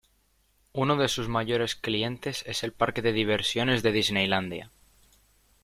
Uno de sus mayores clientes es el parque de diversiones de Disneylandia.